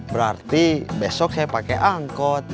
berarti besok saya pakai angkot